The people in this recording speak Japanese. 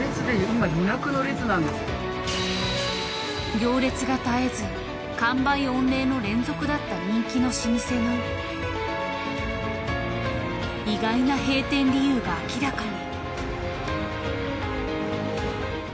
行列が絶えず完売御礼の連続だった人気の老舗の意外な閉店理由が明らかに。